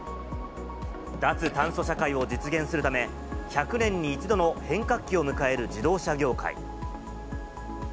脱炭素社会を実現するため、１００年に一度の変革期を迎える自動車業界。